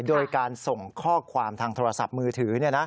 โดยการส่งข้อความทางโทรศัพท์มือถือ